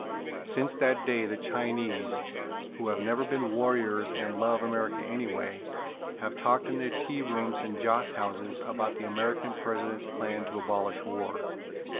Since that day the Chinese, who have never been warriors and love America anyway, have talked in their tea rooms and joss houses about the American President's plan to abolish war.